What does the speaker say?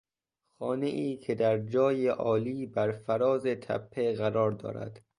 خانهای که در جای عالی برفراز تپه قرار دارد